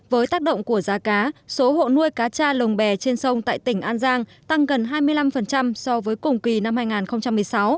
với tác động của giá cá số hộ nuôi cá cha lồng bè trên sông tại tỉnh an giang tăng gần hai mươi năm so với cùng kỳ năm hai nghìn một mươi sáu